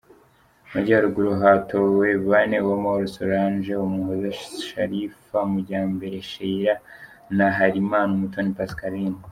Mu Majyaruguru hatowe bane: Uwamahoro Solange, Umuhoza Sharifa, Mujyambere Sheillah na Harimana Umutoni Pascaline;.